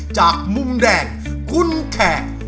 จากมุมแดงคุณแขก